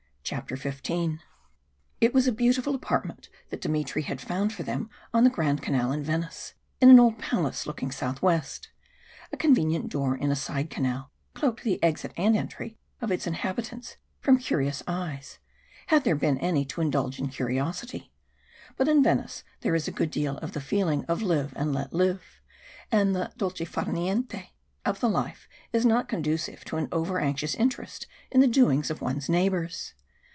CHAPTER XV It was a beautiful apartment that Dmitry had found for them on the Grand Canal in Venice, in an old palace looking southwest. A convenient door in a side canal cloaked the exit and entry of its inhabitants from curious eyes had there been any to indulge in curiosity; but in Venice there is a good deal of the feeling of live and let live, and the dolce far niente of the life is not conducive to an over anxious interest in the doings of one's neighbours.